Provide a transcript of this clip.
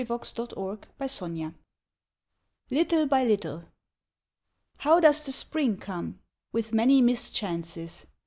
158 LITTLE BY LITTLE LITTLE BY LITTLE HOW does the Spring come? With many mis chances.